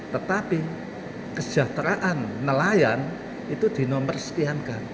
tetapi kesejahteraan nelayan itu dinomor sekiankan